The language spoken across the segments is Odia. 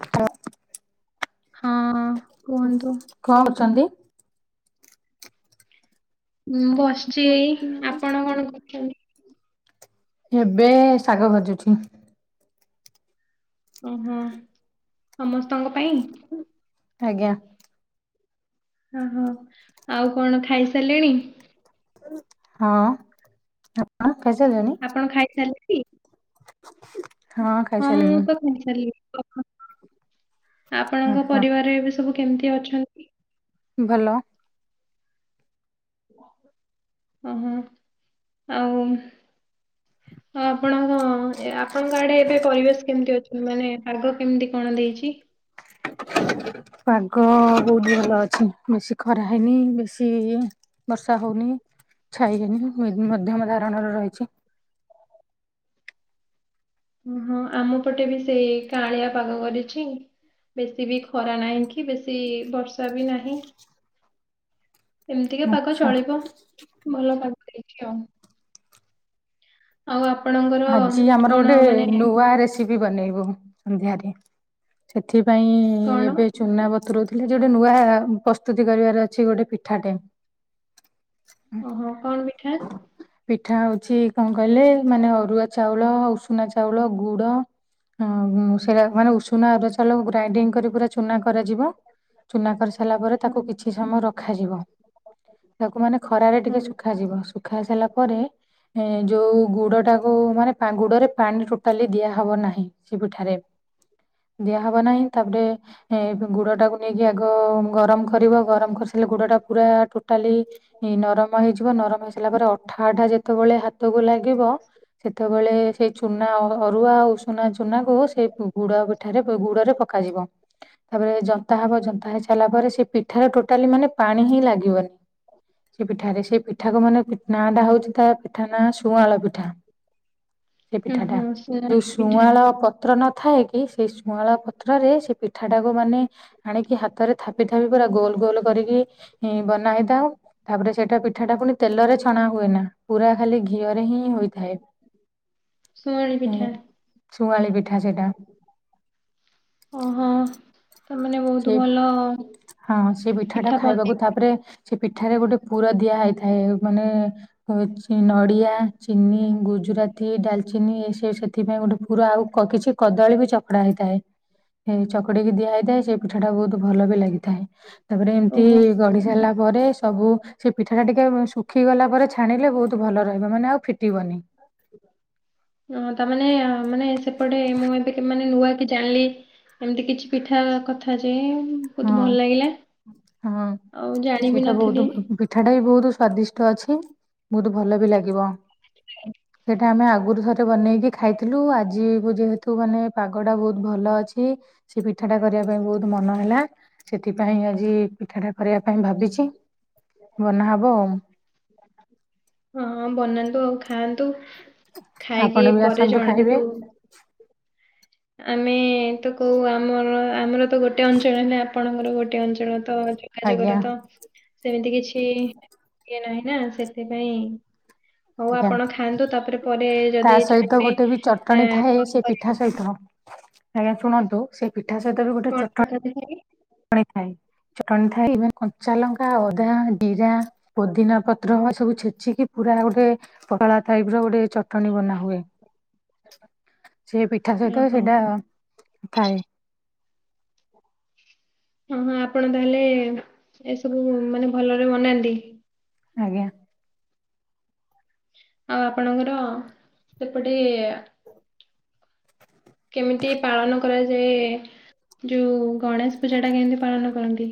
ଅଖ ତ [unintelligible] ହଁ। ଉଁ କୁହନ୍ତୁ କଣ କଚନ୍ତି। ମୁଁ ବସିଚି ଏଇ ଆପଣ କଣ କରୁଚନ୍ତି? ଏବେ ଶାଗ ଭାଜୁଥିଁ। ଓହୋ ସମସ୍ତଙ୍କ ପାଇଁ ଆଜ୍ଞା। ଓହୋ ଆଉ କଣ ଖାଇ ସାଇଲେଣି? ହଁ ଆପ ଖାଇ ସାଇଲେଣି? ଆପଣ ଖାଇସାରିଲେ? [inaudible] ହଁ ମୁଁ ଖାଇସାରିଲିଣି ତ ଖାଇ ସରିଲି ରଖ। ଆପଣଙ୍କ ଆଚ୍ଛା। ପରିବାରେ ଏବେ ସବୁ କେମିତି ଅଛନ୍ତି? ଭଲ। ଓହୋ ଆଉ ଆପଣଙ୍କ ଏ ଆପଣଙ୍କ ଆଡେ ଏବେ ପରିବେଶ କେମିତି ଅଛି ମାନେ ପାଗ କେମିତି କଣ ଦେଇଚି? ପାଗ ବହୁତ ଭଲ ଅଛି ବେଶୀ ଖରା ହେଇନି ବେଶୀ ଇଏ ବର୍ଷା ହଉନି ଛାଇ ହେନି ଇଁ ମ ମଧ୍ୟମ ଧାରଣ ର ରହିଛି। ଓହଁ ଆମ ପଟେ ବି ସେଇ କାଆଁଳିଆ ପାଗ କରିଛି। ବେଶୀ ବି ଖରା ନାହିଁ କି ବେଶୀ ବର୍ଷା ବି ନାହିଁ। ଏମିତିକା ପାଗ ଆଚ୍ଛା ଚଳିବ ଭଲ ପାଗ ହେଇଛି ଆଉ। ଆଉ ଆପଣଙ୍କ ଆଜି ଆମର ଗୋଟେ ନୂଆ ରେସ ଇବି ବନେଇବୁ ସନ୍ଧ୍ୟାରେ ସେଥିପାଇଁ କଣ ଏବେ ଚୁନା ବତୁରୋଉଥିଲି ଯୋଉଟେ ନୂଆ ପ୍ରସ୍ତୁତି କରିବାର ଅଛି ଗୋଟେ ପିଠାଟେ। ଓହୋ କଣ ମିିଠା? ପିଠା ହଉଛି କଣ କହିଲେ ମାନେ ଅରୁଆ ଚାଉଳ ଉଷୁନା ଚାଉଳ ଗୁଡ ହୁଁ ଗୁଁ ସେଇଟା ମାନେ ଉଷୁନା ଆରୁଆ ଚାଉଲ ଗୁଡା ଗ୍ରାଇଡିଙ୍ଗ କରି ପୁରା ଚୁନା କରାଯିବ ଚୁନା କରି ସାରିଲା ପରେ ତାକୁ ହଁ କିଛି ସମୟ ରଖାଯିବ ତାକୁ ମାନେ ଖରାରେ ଟିକେ ହଁ ଶୁଖା ଶୁଖାଯିବ ଶୁଖାସରିଲା ପରେ ଏ ଯୋଉ ଗୁଡ ଟାକୁ ମାନେ ପା ଗୁଡରେ ପାଣି ଟୋଟାଲି ଦିଆହବ ନାହିଁ ସେ ପିଠାରେ ଦିଆ ହବ ନାହିଁ ତାପରେ ଏ ଗୁଡ଼ ଟାକୁ ନେଇକି ଆଗ ଗରମ କରିବ ଗରମ କରିସାରିଲେ ଗୁଡ଼ଟା ପୁରା ଟୋଟାଲି ଇ ନରମ ହେଇଯିବ ନରମ ହେଇସାରିଲା ପରେ ଅଠା ଅଠା ଯେତେବେଳେ ହାତକୁ ଲାଗିବ ସେତେବେଳେ ସେଇ ଚୁନା ଅ-ଅରୁଆ ଆଉ ଉଷୁନା ଚୁନା କୁ ସେ ଗୁ-ଗୁଡ଼ ଭି ଏଠାରେ ପ ଗୁଡ଼ ରେ ପକାଯିବ। ତାପରେ ଜନ୍ତା ହବ ଜନ୍ତା ହେଇସାରିଲା ପରେ ସେ ପିଠାରେ ଟୋଟାଲି ମାନେ ପାଣି ହିଁ ଲାଗିବନି। ସେ ପିଠାରେ ସେ ପିଠା କ ମାନେ ନା ଟା ହଉଛି ତା ପିଠା ନା ଶୁଆଁଳ ପିଠା। ସେ ହୁଁ ପିଠା ଟା ହୁଁ ଯୋଉ ସୁଆଁରୀ ପିଠା ଶୁଆଁଳ ପ ତ୍ର ନଥାଏ କି ସେ ଶୁଆଁଳ ପତ୍ରରେ ସେ ପିଠାଟାକୁ ମାନେ ଆଣିକି ହାତରେ ଥାପି ଥାପି ପୁରା ଗୋଲ ଗୋଲ କରିକି ବନାଇଥାଉ। ତାପରେ ସେଇଟା ପିଠା ଟା ପୁଣି ତେଲରେ ଛଣା ହୁଏ ନା ପୁରା ଖାଲି ଘିଅରେ ହିଁ ହୋଇଥାଏ। ଶୁଆଁଣି‌ପିଠା ଶୁଆଁଳି ପିଠା ସେଇଟା ଓହୋ। ତାମାନେ ବହୁତ ସେଇ ଭଲ ହଁ ସେଇ ପିଠା ଟା ଖାଇବାକୁ ତାପରେ ସେ ପିଠାରେ ଗୋଟେ ପୁରୁର ଦିଆ ହେଇଥାଏ ମାନେ ହୋଉଛି ନଡ଼ିଆ ଚିନି ଗୁଜୁରାତି ଡାଲଚିନି ଗୋସେଥିପାଇଁ ଗୋଟେ ଫୁ ପୁରା ଆଉ କ କିଛି କଦଳୀ ବି ଚକଡା଼ ହେଇଥାଏ ହେ ଚକଡି଼କି ଦିଆ ହେଇଥାଏ ସ୍ ପଠା ଟା ବୋହୁତ ଭଲ ବି ଲାଗିଥାଏ ତାପରେ ଏମିତି ଓହୋ ଗଢ଼ି ସାରିଲା ପରେ ସବୁ ସେ ପିଠା ଟା ଟିକେ ଉଁ ଶୁଖି ଗଲା ପରେ ଛାଣିଲେ ବୋହୁତ ଭଲ ରହିବ ମାନେ ଆଉ ଫିଟିବନି। [inaudible] ହଁ ତାମାନେ ଅ ମାନେ ସେପଟେ ମୁଁ ଏବେ କି ମାନେ ନୂଆ କି ଜାଣିଲି। ଏମିତି କିଛି ପିଠା କଥା ଯେ ଉଁମ୍ ହଁ ବୋହୁତ ଭଲ ଲାଗିଲା ଆଉ ଜାଣିବି ନଥିଲି ପଠାଟା ବି ବୋହୁତ ସ୍ଵାଦିଷ୍ଟ ଅଛି ବୋହୁତ ଭଲ ବି ଲାଗିବ। ହଁ [unintelligible] ହେଟା ଆମେ ଆଗରୁ ଥରେ ବନେଇକି ଖାଇଥିଲୁ ଆଜିକୁ ଯେହେତୁ ମାନେ ପାଗଟା ବୋହୁତ ଭଲ ଅଛି। ସେ ପିଠାଟା କରିବା ପାଇଁ ବୋହୁତ ମନ ହେଲା। ସେଥିପାଇଁ ଆଜି ପିଠାଟା କରିବା ପାଇଁ ଭାବିଛି ବନା ହବ ଆଉ। ହଁ ବନାନ୍ତୁ ଆଉ ଖାଆନ୍ତୁ ଖାଇକି ଆପଣ ବି ପରେ ଆସନ୍ତୁ ଖାଇବେ ଜଣାନ୍ତୁ। ଆମେ ତ କହୁ ଆମର ଆମର ତ ଗୋଟେ ଅଞ୍ଚଳ ହେଲା ଆପଣଙ୍କର ଗୋଟେ ଅଞ୍ଚଳ ତ ଆଜ୍ଞା ଯୋଗାଯୋଗର ତ। ସେମିତି କିଛି ଇଏ ନାହିଁ ନା ସେଥିପାଇଁ ହଉ ଆଜ୍ଞା ଆପଣ ଖାଆନ୍ତୁ ତାପରେ ପରେ ଯଦି ଚାହିଁବେ ଏଁ ଏ ସେ ପିଠା ସହିତ ଆଜ୍ଞା ଶୁଣନ୍ତୁ ସେ ପିଠା ସହିତ ବି ଗୋଟେ ଚଟ ଣି। [unintelligible] ଥାଏ ଚଟଣି ଥାଏ ଇଭେନ୍ କଞ୍ଚା ଲଙ୍କା ଅଦା ଜିରା ପୋଦିନା ପତ୍ର ହ ସବୁ ଛେଚିକି ପୁରା ଗୋଟେ ପତଳା ଟାଇପ ର ଗୋଟେ ଚ ଟଣିୀ ବନାହୁଏ ସେ ପିଠା ସହିତ ଓହୋ ସେଇଟା ଥାଏ। ହଁ ହଁ ଆପଣ ତାହେଲେ ଏସବୁ ମାନେ ଭଲରେ ବନାନ୍ତି। ଆଜ୍ଞା। ଆଉ ଆପଣଙ୍କର ସେପଟେ [unintelligible] କେମିତି ପାଳନ କରାଯାଏ ଯୋଉ ଗଣେଶ ପୂଜା ଟା କେମିତି ପାଳନ କରନ୍ତି?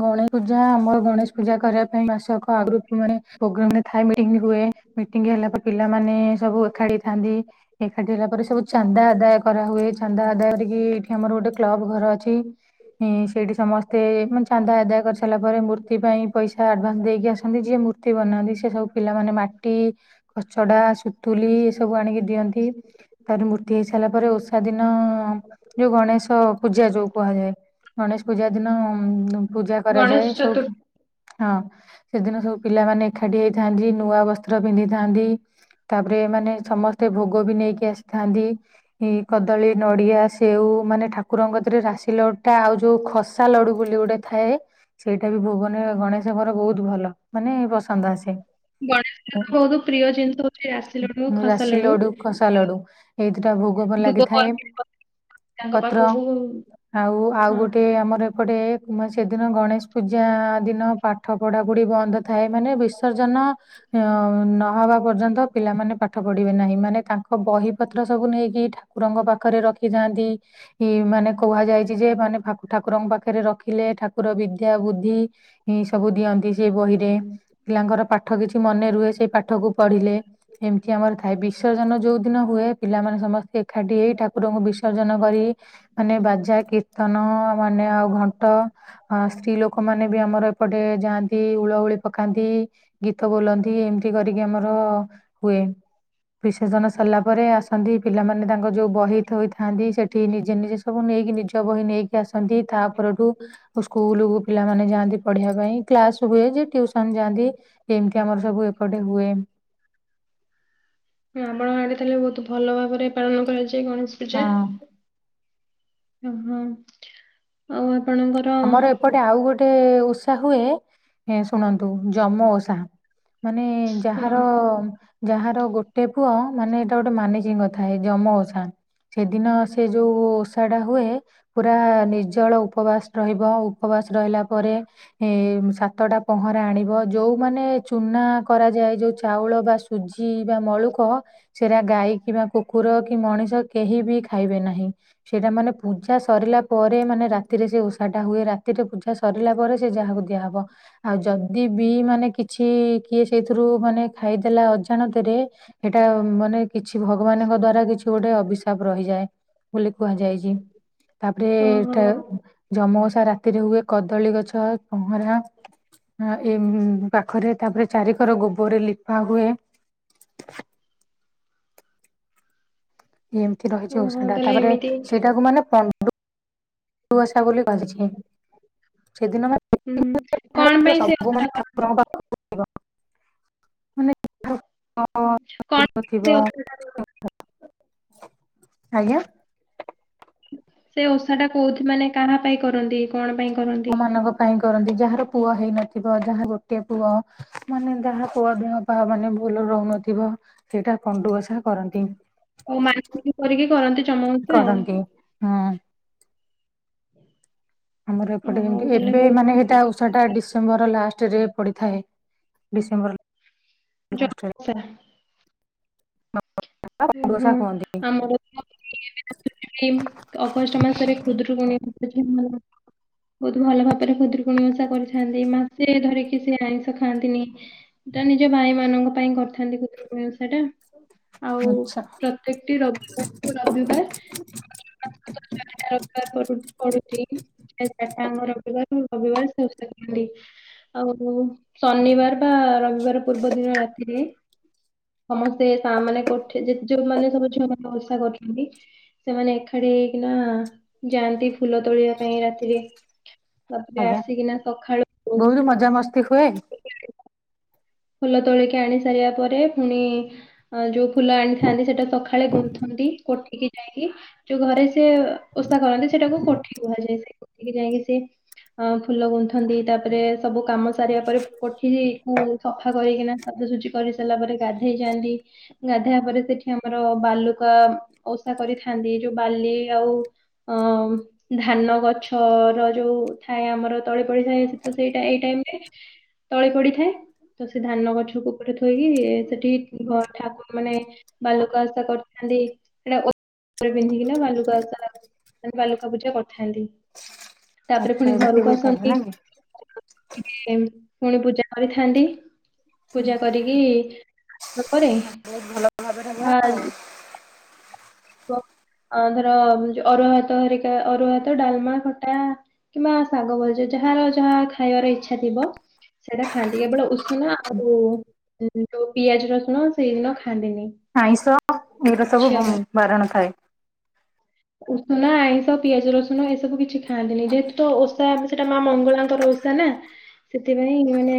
ଗଣେ ପୂଜା ଆମର ଗଣେଶ ପୂଜା କରିବା ପାଇଁ ମାସକ ଆଗରୁ ମାନେ ପ୍ରୋଗ୍ରାମ ରେ ଥାଏ ମିଟିଂ ହୁଏ ମିଟିଂ ହେଲା ପରେ ପିଲାମାନେ ସବୁ ଏକାଠିଥାନ୍ତି ଏକାଠି ହେଲା ପରେ ସବୁ ଚାନ୍ଦା ଆଦାୟ କରାହୁଏ ଚାନ୍ଦା ଆଦାୟ କରିକି ଏଇଠି ଆମର ଗୋଟେ କ୍ଲବ ଘର ଅଛି। ମୁଁ ସେଇଠି ସମସ୍ତେ ମା ଚାନ୍ଦା ଆଦାୟ କରିସାରିଲା ପରେ ମୂର୍ତ୍ତି ପାଇଁ ପଇସା ଆଡ଼ଭାନ୍ସ ଦେଇକି ଆସନ୍ତି ଯିଏ ମୂର୍ତ୍ତି ବନାନ୍ତି ସେ ସବୁ ପିଲାମାନେ ମା ଟି, କଚଡା, ସୁତୁଲି ଏ ସବୁ ଆଣିକି ଦିଅନ୍ତି। ତାପରେ ମୂର୍ତ୍ତି ହେଇ ସାରିଲା ପରେ ଓଷା ଦିନ ଯୋଉ ଗଣେଶ ପୂଜା ଯୋଉ କୁହାଯାଏ। ଗଣେଶ ପୂଜା ଦିନ ପୂଜା ଗଣେଶ କରାଯାଏ ଚତୁର୍ଥୀ ସବୁ। ହଁ ସେଦିନ ସବୁ ପିଲାମାନେ ଏକାଠି ହେଇଥାନ୍ତି ନୂଆ ବସ୍ତ୍ର ପିନ୍ଧିଥାନ୍ତି। ତାପରେ ମାନେ ସମସ୍ତେ ଭୋଗ ବି ନେଇକି ଆସିଥାନ୍ତି। ଏଇ କଦଳୀ, ନଡିଆ, ସେଉ ମାନେ ଠାକୁରଙ୍କ କତିରେ ରାଶି ଲଡୁ ଟା ଆଉ ଯୋଉ ଖସା ଲଡୁ ବୋଲି ଗୋଟେ ଥାଏ ସେଇଟା ବି ଭୋଗ ନେଇ ଗଣେଶଙ୍କର ବହୁତ ଭଲ ମାନେ ପସନ୍ଦ ଆସେ। ଗଣେଶ ଠାକୁର ବହୁତ ପ୍ରିୟ ଜିନିଷ ହଉଛି ରାଶି ଲଡୁ ଖସା ରାଶି ଲଡୁ, ଖସା ଲଡୁ। ଏଇ ଦିଟା ଭୋଗ ଭଲ ଦୁବ ଲାଗିଥାଏ। ବରକୋଳି ପତ୍ର ତାଙ୍କ ପତ୍ର ପାଖକୁ ହଁ ଆଉ ଆଉ ହଁ, ଗୋଟେ ଆମର ଏପଟେ ସେଦିନ ଗଣେଶ ପୂଜା ଦିନ ପା ଠ ପଢ଼ାପଢ଼ି ବନ୍ଦ ଥାଏ ମାନେ ବିସର୍ଜନ ନହେବା ପର୍ଯ୍ୟନ୍ତ ପିଲାମାନେ ପାଠ ପଢିବେ ନାହିଁ ମାନେ ତା ଆଉ ବହି ପତ୍ର ସବୁ ନେଇକି ଠାକୁରଙ୍କ ପାଖରେ ରଖିଥାନ୍ତି। କି ମାନେ କୁହାଯାଇଛି ଯେ ମାନେ ଠାକୁରଙ୍କ ପାଖରେ ରଖି ଖୀଲେ ଠାକୁର ବିଦ୍ୟା, ବୁଦ୍ଧି ସବୁ ଦିଅନ୍ତି ସେ ବହିରେ। ପିଲାଙ୍କର ପାଠ କିଛି ମନେ ରୁହେ ସେଇ ପାଠ କୁ ପଢିଲେ। ଏମିତି ଆମର ଥାଏ ବିସର୍ଜନ ଯେଉଁଦିନ ହୁଏ ପିଲାମାନେ ସମସ୍ତେ ଏକାଠି ହେଇ ଠାକୁରଙ୍କୁ ବିସର୍ଜନ କରି ମାନେ ବାଜା, କୀର୍ତ୍ତନ ମାନେ ଆଉ ଘ ତ ସ୍ତ୍ରୀ ଲୋକମାନେ ବି ଆମର ଏପଟେ ଯାଆନ୍ତି ହୁଳହୁଳି ପକାନ୍ତି। ଗୀତ ବୋଲନ୍ତି ଏମିତି କରିକି ଆମର ହୁଏ। ବିସର୍ଜନ ସରିଲା ପରେ ଆସନ୍ତି ପିଲାମାନେ ତାଙ୍କ ଯୋଉ ବହି ଥୋଇଥାନ୍ତି ସେଠି ନିଜେ ନିଜେ ସବୁ ନେଇକି ନିଜ ବହି ନେଇକି ଆସନ୍ତି ତା ପରଠୁ ସ୍କୁଲ କୁ ପିଲାମାନେ ଯାଆନ୍ତି ପଢିବା ପାଇଁ କ୍ଲାସ ହୁଏ ଯେ ଟିଉ ସନ ଯାଆନ୍ତି ଏମିତି ଆମର ସବୁ ଏପଟେ ହୁଏ। ଆମ ଆଡେ ତାହେଲେ ବହୁତ ଭଲ ଭାବରେ ପାଳନ କରାଯାଏ ଗଣେଶ ପୂଜା। ହଁ ଓହୋ ଆଉ ଆପଣଙ୍କର। ଆମର ଏପଟେ ଆଉ ଗୋଟେ ଓଷା ହୁଏ ଶୁଣନ୍ତୁ ଯମ ଓଷା। ମାନେ ଯାହାର ଯାହାର ଗୋଟେ ପୁଅ ମାନେ ଏଇଟା ଗୋଟେ ମାନେଜିଙ୍କ ନଥାଏ ଯମ ଓଷା। ସେଦିନ ସେ ଯୋଉ ଓଷା ଟା ହୁଏ ପୁରା ନିର୍ଜଳ ଉପବାସ। ରହିବ ଉପବାସ ରହିଲା ପରେ ଏ ସାତଟା ପହଁରା ଆଣିବ ଯୋଉମାନେ ଚୁନା କରାଯାଏ ଯୋଉ ଚାଉଳ ବା ସୁଜି ବା ମଳୁକ ସେଇରା ଗାଈ କିମ୍ବା କୁକୁର କି ମଣିଷ କେହି ବି ଖାଇବେ ନାହିଁ। ସେଇଟା ମାନେ ପୂଜା ସରିଲା ପରେ ମାନେ ରାତିରେ ସେ ଓ ରାତିରେ ପୂଜା ସରିଲା ପରେ ସେ ଯାହାକୁ ଦିଆହବ ଆଉ ଯଦି ବି ମାନେ କିଛି କିଏ ସେଇଥିରୁ ମାନେ ଖାଇଦେଲା ଅଜ ଜାଣତ ରେ ଏଟା ମାନେ କିଛି ଭଗବାନଙ୍କ ଦ୍ଵାରା କିଛି ଗୋଟେ ଅବି ସାପ ରହିଯାଏ ବୋଲି କୁହାଯାଇଛି। ତାପରେ ଓହୋ ଏଟା ଜମ ଓଷା ରାତିରେ ହୁଏ କଦଳୀ ଗଛ ଆଉ ପହଁରା ଏ ପାଖରେ ତାପରେ ଚାରିିକର ଗୋବରରେ ଲିପା ହୁଏ ଏମିତି ରହିଚି ଓହୋ ଓଷା ଟା ତାହେଲେ ତାପରେ ଏମିତି ସେଇଟାକୁ ମାନେ ପ [unintelligible] [unintelligible] ଉଁ, କଣ ପାଇଁ ସେ ଓଷାଟା କରନ୍ତି ମାନେ କଣ [unintelligible] ପାଇଁ ଥିବ। ସେ ଓଷାଟା ଆଜ୍ଞା। ସେ ଓଷା ଟା କୋଉଠି ମାନେ କାହା ପାଇଁ କରନ୍ତି। କଣ ପାଇଁ କରନ୍ତି [unintelligible] ପାଇଁ କରନ୍ତି ଯାହାର ପୁଅ ହେଇନଥିବ ଯାହା ଗୋଟେ ପୁଅ ମାନେ ଯାହା ପୁଅ ଦିଅ ବା ମାନେ ଭୁଲ୍ ରହୁନଥିବ ସେଇଟା କଣ୍ଡୁକସା କରନ୍ତି। ଆଉ ମାନସିକ କରିକି କରନ୍ତି ଜମା ଓଷା ଆଉ କରନ୍ତି ହୁଁ। ଆମର ଏପଟେ ଓହୋ ଯେମିତି ତାହେଲେ ଏବେ ମାନେ ବହୁତ ଏଇଟା ଓ ଛଟା ଡିସେମ୍ବର ଲାଷ୍ଟ ରେ ପଡିଥାଏ ଡିସେମ୍ବର ଲାଷ୍ଟରେ ଜପ୍ ସେନା। ଷା ହଁ କୁହନ୍ତିନି। ଆମର ତ ଅଗଷ୍ଟ ମାସରେ ଖୁଦୁରୁକୁଣୀ [unintelligible] ବହୁତ୍ ଭଲ ଭାବରେ ଖୁଦୁରୁକୁଣୀ ଓସା କରିଥାନ୍ତି ମାସେ ଧରିକି ସେ ଆଇଁଷ ଖାଆନ୍ତିନି। ସେଟା ନିଜ ଭାଇମାନଙ୍କ ପାଇଁ କରିଥାନ୍ତି ଖୁଦୁରୁକୁଣୀ ଓଷା ଟା। ଆଚ୍ଛା। ପ୍ରଟି ରବିବାରକୁ ରବିବାର୍। [unintelligible] ପଡୁଚି। ସେ ଚାଟାଙ୍କ ରବିବାର ରବିବାର୍ [unintelligible] ଆଉ ଶନିବାର୍ ପା ରବିବାର ପୂର୍ବ ଦିନ ରାତିରେ। ସମସ୍ତେ ତା ମାନେଠେ ଯେ ଯୋଉମାନେ ସବୁ ଝିଅ ମାନେ ଓସା କରୁଚନ୍ତି। ସେମାନେ ଏକାଠି ହେଇକିନା ଯାଆନ୍ତି ଫୁଲ ତୋଳିବା ପାଇଁ ରାତିରେ। ବାତ୍ୟା ଆସିକିନା ସକାଳୁ ବହୁତ୍ ମଜାମସ୍ତି ହୁଏ। ଫୁଲ ତୋଳିକି ଆଣି ସାରିବା ପରେ ପୁଣି ଅଁ ଯୋଉ ଫୁଲ ଆଣିଥାନ୍ତି ସେଟା ସକାଳେ ଗୁନ୍ଥନ୍ତି କୋଟିକି ଯାଇକି। ଯୋଉ ଘରେ ସେ ଓଷା କରନ୍ତି ସେଟାକୁ କୋଠି କୁହାଯାଏ ସେ କୋଠି ଯାଇକି ସେ ଅ ଫୁଲ ଗୁନ୍ଥନ୍ତି ତାପରେ ସବୁ କାମ ସାରିବା ପରେ ପୋଠି କୁ ସଫା କରିକିନା ସଜାସଜି କରିସାରିଲା ପରେ ଗାଧେଇ ଯାଆନ୍ତି। ଗାଧେଇବା ପରେ ସେଠି ଆମର ବାଲୁକା ଓଷା କରିଥାନ୍ତି ଯୋଉ ବାଲି ଆଉ ଅଁ ଅଁ ମ୍। ଧାନ ଗଛ ର ଯୋଉ ଥାଏ ଆମର ତଳେ ପଡିଥାଏ ସେ ସେଇଟା ଏଇ ଟାଇମ୍ ରେ। ତଳି ପଡ଼ିଥାଏ। ତ ସେ ଧାନ ଗଛ କୁକୁର ଥୋଇକି ସେଠି ଠାକୁର ମାନେ ବାଲୁକା ଓଷା କରିଥାନ୍ତି ସେଟା ଉପରେ ପିନ୍ଧିକିନା ବାଲୁକା ଓଷା। ବାଲୁକା ପୂଜା କରିଥାନ୍ତି ତାପରେ ଆଚ୍ଛା ପୁଣି ଏମିତି ଘରକୁ ହୁଏ ତାହେଲେ ଆସନ୍ତି। ନାଇଁ କି ପୁଣି ପୂଜା କରିଥାନ୍ତି। ପୂଜା କରିକି ଉପରେ ବହୁତ ଭଲ ଭାବରେ ହୁଏ ଆ ଆଉ ଅଧର ଅରୁଆ ଭାତରିକା ଅରୁଆ ହାତ ଡାଲମା ଖଟା। କିମ୍ବା ଶାଗ ଭଜା ଯାହାର ଯାହା ଖାଇବାର ଇଚ୍ଛା ଥିବ। ସେଇଟା ଖାଆନ୍ତି କେବଳ ଉଷୁନା ଆଉ ଯୋଉ ପିଆଜ ରସୁଣ ସେଇଦିନ ଖାନ୍ତିନି। ଆଇଁଷ ଏଗୁରା ସବୁ ବାରଣ ଥାଏ। ଉଷୁନା, ଆଇଁଷ, ପିଆଜ, ରସୁଣ ଏସବୁ କିଛି ଖାଆନ୍ତିନି। ଯେହେତୁ ତ ଓଷା ସେଟା ମା ମଙ୍ଗଳାଙ୍କର ଓ ଷା ନା। ସେଥିପାଇଁ ମାନେ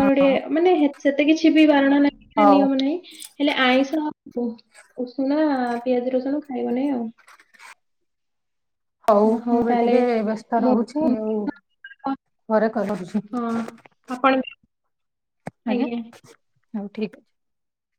ହଁ ମାନେ ସେତେ କିଛି ବି ବାରଣ ନାଁ ହଉ ନିୟମ ନାହିଁ। ହେଲେ ଆଇଁଷ ଉଷୁନା ପିଆଜ ରସୁଣ ଖାଇବନି ଆଉ। ହଉ ମୁଁ ବି ଟିକେ ବ୍ୟସ୍ତ ମୁଁ ରହୁଛି ଆଉ ପରେ କରୁଛି। ହଁ। ଆପଣ ଆଜ୍ଞା। ହଉ ଠିକ୍ ଅଛି।